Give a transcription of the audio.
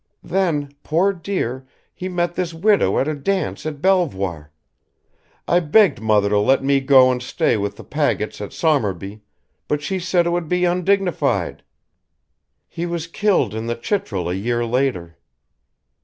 Then, poor dear, he met this widow at a dance at Belvoir. I begged mother to let me go and stay with the Pagets at Somerby, but she said it would be undignified. He was killed in the Chitral a year later.